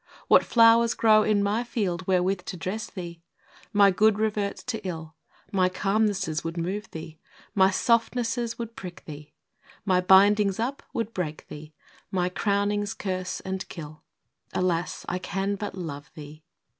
What flowers grow in my field wherewith to dress thee ? My good reverts to ill: My calmnesses would move thee, — My softnesses would prick thee, My bindings up would break thee, My crownings, curse and kill. Alas ! I can but love thee.